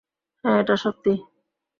হ্যাঁ, এটা সত্যি।